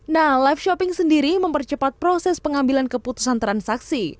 nah live shopping sendiri mempercepat proses pengambilan keputusan transaksi